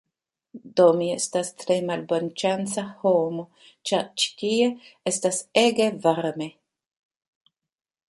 Do mi estas tre malbonŝanca homo, ĉar ĉi tie estas ege varme